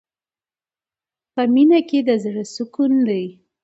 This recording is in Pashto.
په مینه کې د زړه سکون دی.